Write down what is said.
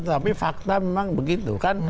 tapi fakta memang begitu kan